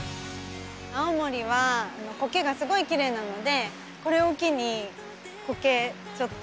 青森は苔がすごい奇麗なのでこれを機に苔ちょっと。